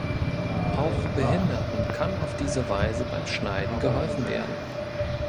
Auch Behinderten kann auf diese Weise beim Schneiden geholfen werden.